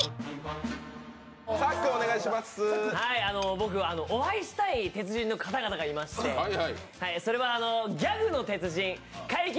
僕は、お会いしたい鉄人の方々がいまして、それは、ギャグの鉄人、怪奇！